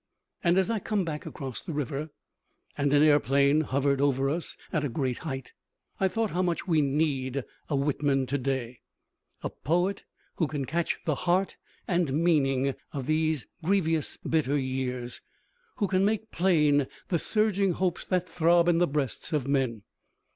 And as I came back across the river, and an airplane hovered over us at a great height, I thought how much we need a Whitman to day, a poet who can catch the heart and meaning of these grievous bitter years, who can make plain the surging hopes that throb in the breasts of men.